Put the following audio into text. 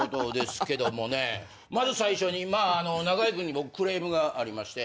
まず最初に中居君に僕クレームがありまして。